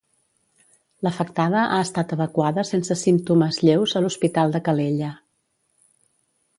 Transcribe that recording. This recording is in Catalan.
L'afectada ha estat evacuada sense símptomes lleus a l'Hospital de Calella.